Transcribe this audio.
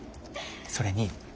それに。